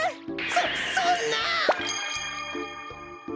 そそんな！